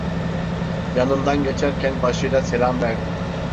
Yanımdan geçerken başıyla selam verdi.